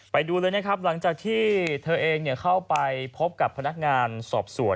ไปดูเลยนะครับหลังจากที่เธอเองเข้าไปพบกับพนักงานสอบสวน